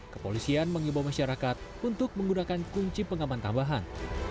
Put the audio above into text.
kepolisian mengimbau masyarakat untuk menggunakan kunci pengaman tambahan